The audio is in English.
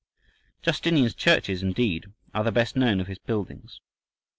Justinian's churches, indeed, are the best known of his buildings.